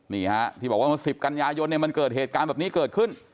นี่ฮะที่บอกว่าเมื่อ๑๐กันยายนเนี่ยมันเกิดเหตุการณ์แบบนี้เกิดขึ้น